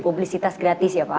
publisitas gratis ya pak